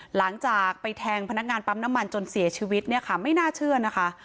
หลังจากไปแทงพนักงานปั๊มน้ำมันจนเสียชีวิตเนี่ยค่ะไม่น่าเชื่อนะคะ